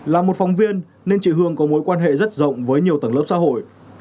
là một phóng viên nên chị hương có mối quan hệ rất rộng với nhiều tầng lớp xã hội